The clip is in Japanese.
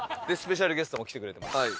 スペシャルゲストも来てくれてます。